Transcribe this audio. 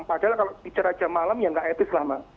padahal kalau bicara jam malam ya nggak etis lama